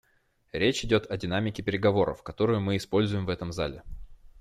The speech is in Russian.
Речь идет о динамике переговоров, которую мы используем в этом зале.